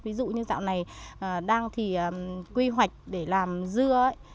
ví dụ như dạo này đang thì quy hoạch để làm dưa ấy